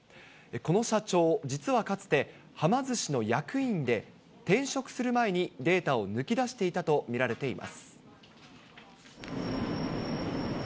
この社長、実はかつて、はま寿司の役員で、転職する前に、データを抜き出していたと見られています。